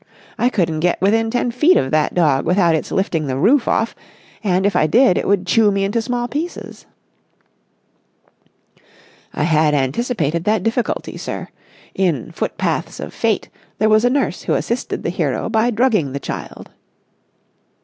I couldn't get within ten feet of that dog without its lifting the roof off, and, if I did, it would chew me into small pieces." "I had anticipated that difficulty, sir. In 'Footpaths of Fate' there was a nurse who assisted the hero by drugging the child."